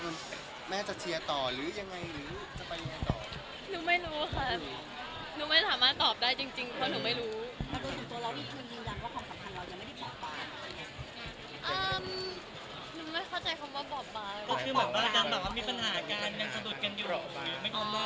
ยังมั่นใจว่าเราสองคนไปไม่ค่อนข้างจริงไง